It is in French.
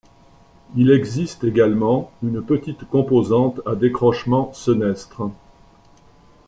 Il existe également une petite composante à décrochement senestre.